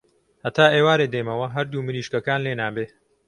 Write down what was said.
هەتا ئێوارێ دێمەوە هەردوو مریشکەکان لێنابێ.